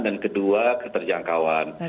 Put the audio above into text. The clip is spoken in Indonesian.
dan kedua keterjangkauan